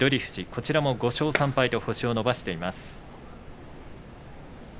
こちらも５勝３敗と星を伸ばしています。